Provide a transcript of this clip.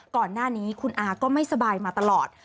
ก่อนหน้านี้คุณอาก็ไม่สบายมาตลอด